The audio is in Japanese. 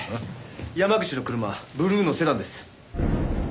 山口の車ブルーのセダンです。